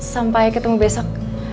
sampai ketemu besok